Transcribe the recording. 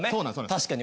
確かに。